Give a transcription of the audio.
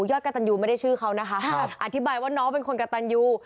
ยอดกระตันยูไม่ได้ชื่อเขานะคะอธิบายว่าน้องเป็นคนกระตันยู